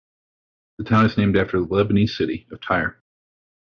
The town is named after the Lebanese city of Tyre.